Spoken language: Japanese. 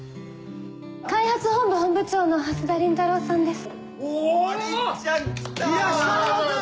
開発本部本部長の蓮田倫太郎さんです